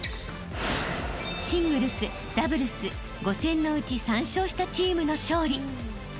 ［シングルスダブルス５選のうち３勝したチームの勝利］